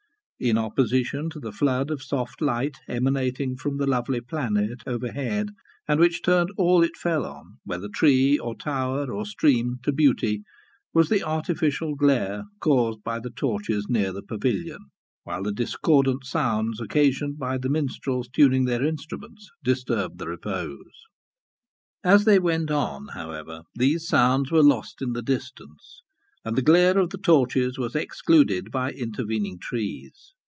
In opposition to the flood of soft light emanating from the lovely planet overhead, and which turned all it fell on, whether tree, or tower, or stream, to beauty, was the artificial glare caused by the torches near the pavilion; while the discordant sounds occasioned by the minstrels tuning their instruments, disturbed the repose. As they went on, however, these sounds were lost in the distance, and the glare of the torches was excluded by intervening trees.